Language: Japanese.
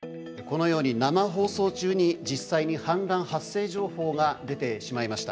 このように生放送中に実際に氾濫発生情報が出てしまいました。